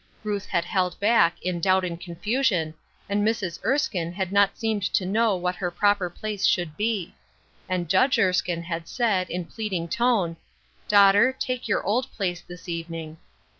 Ruth had held back in doubt and confusion, and Mrs. Erskine had Her Cross Seems Heavy, 21 not seemed to know what her proper place slioiild be ; and Judge Erskine had said, in plead ing tone :" Daughter, take your old place, this evening."